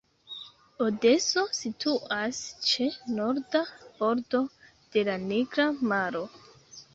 Odeso situas ĉe norda bordo de la Nigra Maro.